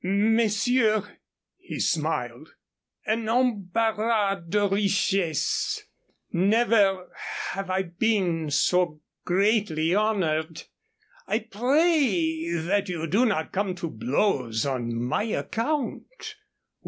"Messieurs," he smiled, "an embarras de richesse. Never have I been so greatly honored. I pray that you do not come to blows on my account.